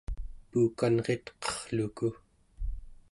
puukanritqerluku